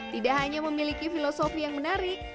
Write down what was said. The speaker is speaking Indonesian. tidak hanya memiliki filosofi yang menarik